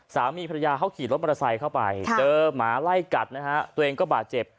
สามีภรรยาเขาขี่รถมอเตอร์ไซค์เข้าไปเจอหมาไล่กัดนะฮะตัวเองก็บาดเจ็บ